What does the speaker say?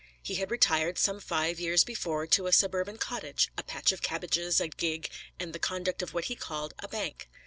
He had retired some five years before to a suburban cottage, a patch of cabbages, a gig, and the conduct of what he called a Bank.